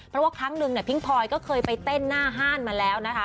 เพราะว่าครั้งหนึ่งพิงพลอยก็เคยไปเต้นหน้าห้านมาแล้วนะคะ